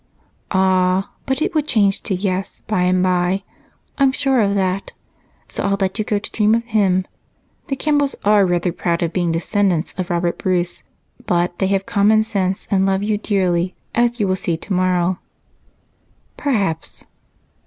"Ah! But it will change to 'yes' by and by, I'm sure of that so I'll let you go to dream of him. The Campbells are rather proud of being descendants of Robert the Bruce, but they have common sense and love you dearly, as you'll see tomorrow." "Perhaps."